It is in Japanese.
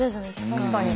確かに。